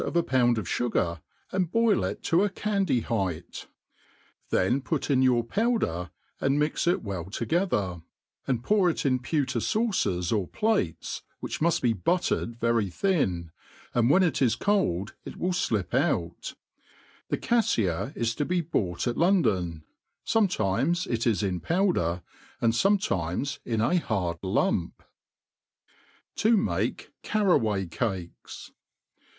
of a pound of fugar, and boil it to a .. candy height ; then put in your powder, and mix it well toge<* ther, and pour it in pewter faucers or plates, which muft be buttered «rery thin, and when it is coid it will flip out ; the cafiia is to be bought at London ; fometimes it is ir^ powder, ^nd fometimes ip a hard lump. To make Carraiuay Cakes.